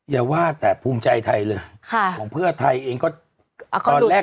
อย่าว่าแต่ภูมิใจไทยเลยค่ะของเพื่อไทยเองก็ตอนแรก